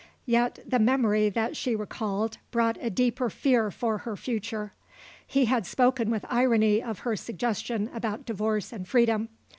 Yet the memory that she recalled brought a deeper fear for her future. He had spoken with irony of her suggestion about divorce and freedom.